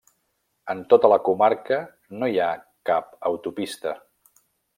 En tota la comarca no hi ha cap autopista.